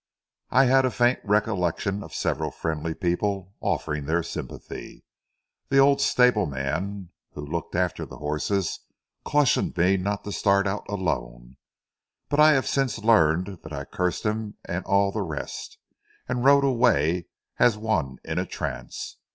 I have a faint recollection of several friendly people offering their sympathy. The old stableman, who looked after the horses, cautioned me not to start out alone; but I have since learned that I cursed him and all the rest, and rode away as one in a trance.